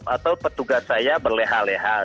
atau petugas saya berlehal lehal